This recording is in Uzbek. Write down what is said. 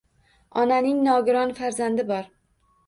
Onaning nogiron farzandi bor